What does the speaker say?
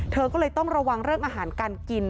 เธอก็เลยต้องระวังเรื่องอาหารการกิน